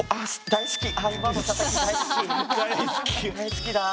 大好き！